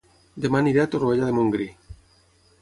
Dema aniré a Torroella de Montgrí